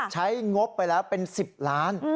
งบไปแล้วเป็น๑๐ล้าน